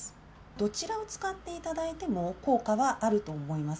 どちらを使っていただいても、効果はあると思います。